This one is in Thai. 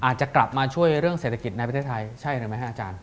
อาจจะกลับมาช่วยเรื่องเศรษฐกิจในประเทศไทยใช่หรือไม่ฮะอาจารย์